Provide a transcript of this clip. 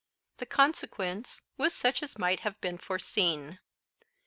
The consequence was such as might have been foreseen.